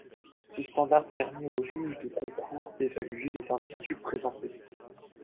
Ce standard permet aux juges de concours d'évaluer les individus présentés.